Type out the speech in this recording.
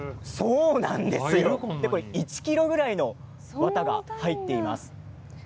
１ｋｇぐらいの綿が入っています。